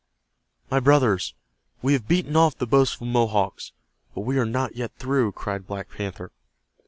"My brothers, we have beaten off the boastful Mohawks, but we are not through," cried Black Panther.